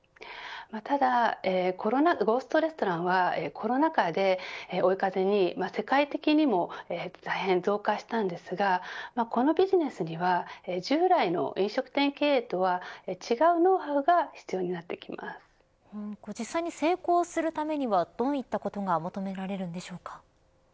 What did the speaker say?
ただゴーストレストランはコロナ禍で追い風に世界的にも大変増加したんですがこのビジネスには従来の飲食店経営とは違うノウハウが実際に成功するためにはどういったことが求められるんでしょうか。